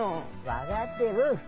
分がってる。